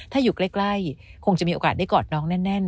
ถ้าอยู่ใกล้คงจะมีโอกาสได้กอดน้องแน่น